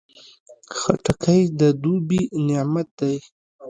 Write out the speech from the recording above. خټکی د دوبی نعمت دی.